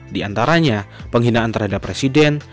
diantaranya penghinaan terhadap presiden